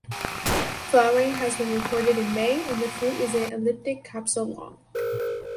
Flowering has been recorded in May and the fruit is an elliptic capsule long.